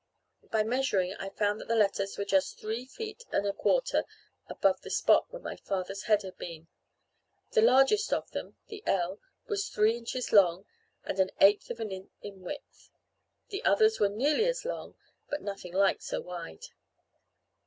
By measuring I found that the letters were just three feet and a quarter above the spot where my father's head had been. The largest of them, the L, was three inches long and an eighth of an inch in width; the others were nearly as long, but nothing like so wide.